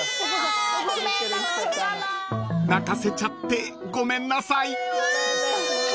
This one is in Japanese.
［泣かせちゃってごめんなさい］